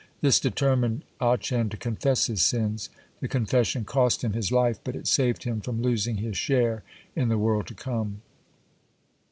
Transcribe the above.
This determined Achan to confess his sins. (30) The confession cost him his life, but it saved him from losing his share in the world to come.